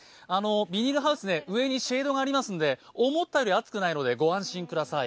ビニールハウスで上にシェードがありますので、思ったより暑くないのでご安心ください。